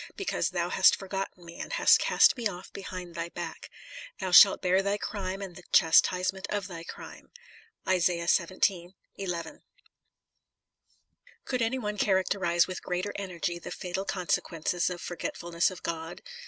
... Because thou hast forgotten me, and hast cast me off behind thy back; thou shalt bear thy crime and the chastise ment of thy crime."* Could any one characterize with greater energy the fatal consequences of forgetful ness of God?